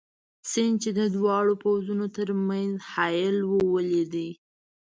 سیند، چې د دواړو پوځونو تر منځ حایل وو، ولید.